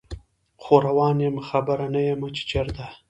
خو روان یم خبر نه یمه چې چیرته